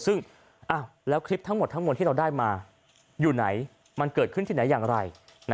ซึ่งแล้วคลิปทั้งหมดทั้งหมดที่เราได้มาอยู่ไหนมันเกิดขึ้นที่ไหนอย่างไร